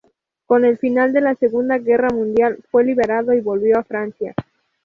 Con el final de la Segunda Guerra Mundial fue liberado y volvió a Francia.